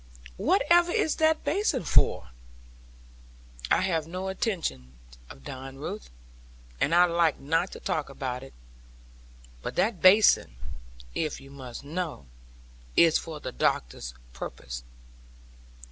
Whatever is that basin for?' 'I have no intention of dying, Ruth; and I like not to talk about it. But that basin, if you must know, is for the doctor's purpose.'